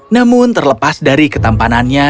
namun terlepas dari ketampanannya